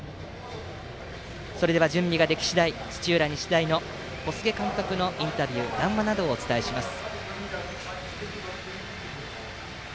それでは準備ができ次第土浦日大の小菅監督のインタビューと談話などをお伝えします。